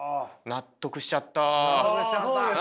納得しちゃった！